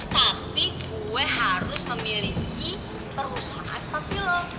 tapi gue harus memiliki perusahaan papi lo